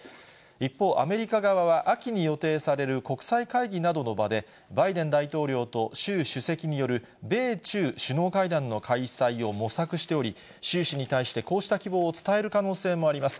一方、アメリカ側は秋に予定される国際会議などの場で、バイデン大統領と習主席による米中首脳会談の開催を模索しており、習氏に対して、こうした希望を伝える可能性もあります。